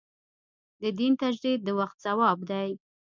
د دین تجدید د وخت ځواب دی.